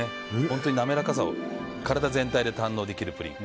滑らかさを体全体で堪能できるプリン。